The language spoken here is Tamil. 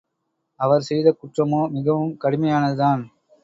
அவர் செய்த குற்றமோ மிகவும் கடுமையானதுதான்.